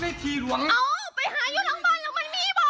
ไปหาอยู่หลังบ้านแล้วมันมีวะ